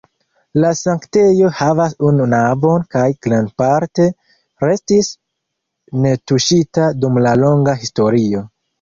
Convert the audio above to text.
La sanktejo havas unu navon kaj grandparte restis netuŝita dum la longa historio.